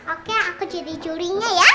oke aku jadi jurinya ya